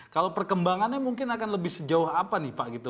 kalau perkembangannya mungkin akan lebih sejauh apa nih pak gitu